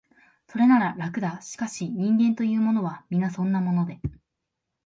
それなら、楽だ、しかし、人間というものは、皆そんなもので、